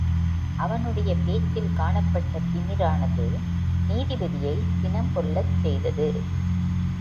அவனுடைய பேச்சில் காணப்பட்ட திமிரானது நீதிபதியைச் சினம் கொள்ளச் செய்தது.